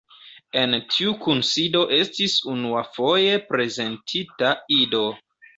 En tiu kunsido estis unuafoje prezentita Ido.